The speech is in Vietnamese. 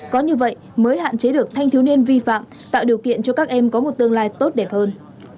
có như vậy mới hạn chế được thanh thiếu niên vi phạm tạo điều kiện cho các em có một tương lai tốt đẹp hơn